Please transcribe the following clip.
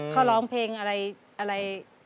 เค้าร้องเพลงอะไรอะไร